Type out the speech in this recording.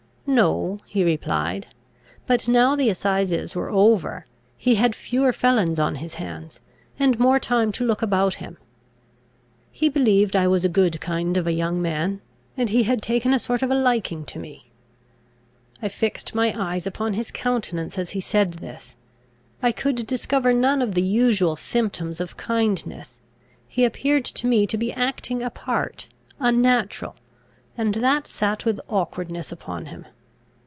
No, he replied; but, now the assizes were over, he had fewer felons on his hands, and more time to look about him. He believed I was a good kind of a young man, and he had taken a sort of a liking to me. I fixed my eye upon his countenance as he said this. I could discover none of the usual symptoms of kindness; he appeared to me to be acting a part, unnatural, and that sat with awkwardness upon him.